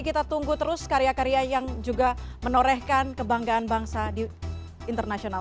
kita tunggu terus karya karya yang juga menorehkan kebanggaan bangsa di internasional